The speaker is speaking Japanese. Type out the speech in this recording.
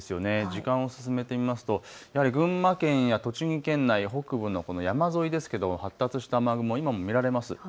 時間を進めてみますと群馬県や栃木県内、北部の山沿いですけど発達した雨雲、今も見られます。